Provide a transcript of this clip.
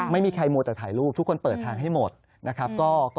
ไม่มีใครมัวแต่ถ่ายรูปทุกคนเปิดทางให้หมดนะครับ